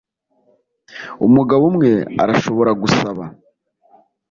umugabo umwe arashobora gusaba